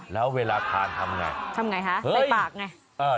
แล้วเวลาทานทำไงทำไงฮะใส่ปากไง